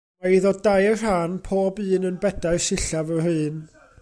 Mae iddo dair rhan, pob un yn bedair sillaf yr un.